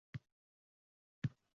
Qo‘ylar ham bor hamon qo‘tonda